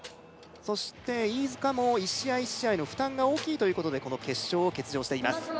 そして飯塚も一試合一試合の負担が大きいということでこの決勝を欠場しています